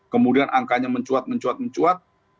kemudian angkanya mencuat mencuat mencuat